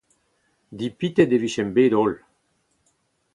Dipitet e vijemp bet-holl.